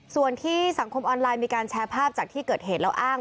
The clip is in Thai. ส่วนที่สังคมออนไลน์มีการแชร์ภาพจากที่เกิดเหตุแล้วอ้าง